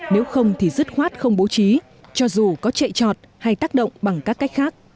nếu không thì dứt khoát không bố trí cho dù có chạy trọt hay tác động bằng các cách khác